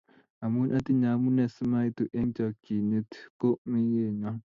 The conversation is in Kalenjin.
amu atinye amune simaitu eng chakchyinet ko mekenyo